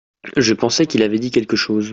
Je pensais qu'il avait dit quelque chose.